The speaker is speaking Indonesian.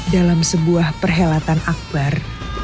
dalam sebuah perhelatan akbar